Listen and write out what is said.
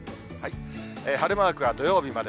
晴れマークは土曜日まで。